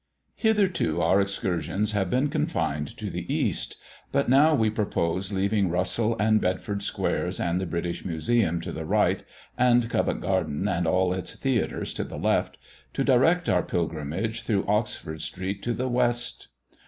Hitherto our excursions have been confined to the east; but now we propose leaving Russell and Bedford Squares and the British Museum to the right, and Covent garden and all its theatres to the left, to direct our pilgrimage through Oxford street to the West.